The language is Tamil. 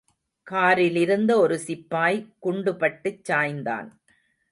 காரிலிருந்த ஒரு சிப்பாய் குண்டு பட்டுச் சாய்ந்தான்.